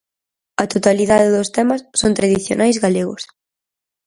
A totalidade dos temas son tradicionais galegos.